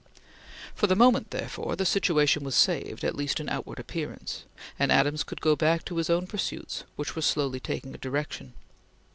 For the moment, therefore, the situation was saved, at least in outward appearance, and Adams could go back to his own pursuits which were slowly taking a direction.